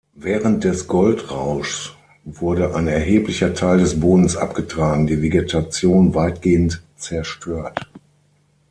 Während des Goldrauschs wurde ein erheblicher Teil des Bodens abgetragen, die Vegetation weitgehend zerstört.